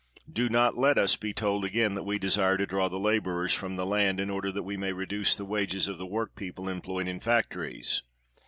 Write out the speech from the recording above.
Do not let us be told again that we desire to draw the laborers from the land, in order that we may reduce the wages of the work people employed in factories.